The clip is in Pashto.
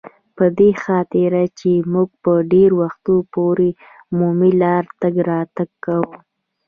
په دې خاطر چې موږ به ډېری وختونه پر عمومي لار تګ راتګ کاوه.